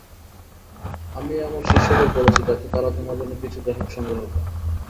আমি আমার শিষ্যদের বলেছি, যাতে তারা তোমার জন্য কিছু গ্রাহক সংগ্রহ করে।